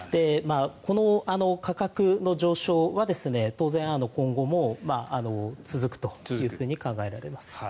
この価格の上昇は当然、今後も続くと考えられます。